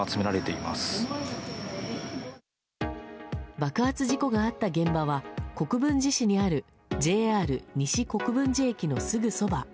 爆発事故があった現場は国分寺市にあるＪＲ西国分寺駅のすぐそば。